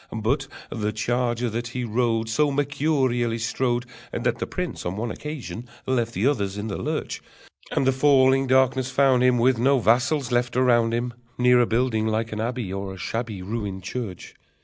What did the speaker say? But the charger that he rode So mercurially strode That the prince on one occasion left the others in the lurch, And the falling darkness found him, With no vassals left around him, Near a building like an abbey, Or a shabby Ruined church.